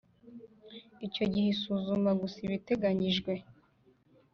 Icyo gihe isuzuma gusa ibiteganyijwe